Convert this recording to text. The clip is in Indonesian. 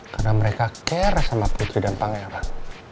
karena mereka care sama putri dan pangeran